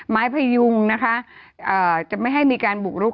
พยุงนะคะจะไม่ให้มีการบุกรุก